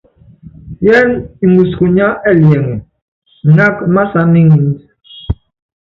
Yɛs ŋɔs kunya ɛliɛŋɛ iŋák masán iŋínd.